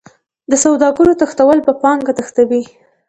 د سوداګرو تښتول پانګه تښتوي.